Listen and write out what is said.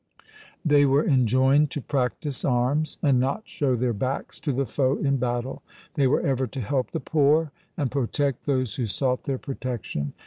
They were enjoined to practise arms, and not show their backs to the foe in battle. They were ever to help the poor and protect those who sought their protec tion.